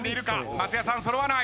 松也さん揃わない。